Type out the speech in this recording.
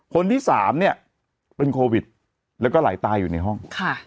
คนที่สามเนี่ยเป็นโควิดแล้วก็ไหลตายอยู่ในห้อง